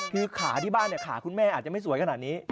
คือขาที่บ้านขาคุณแม่อาจจะไม่สวยขนาดนี้